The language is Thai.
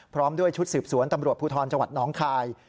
พร้อมด้วยชุดสืบสวนตำรวจภูทรจังหวัดน้องคาย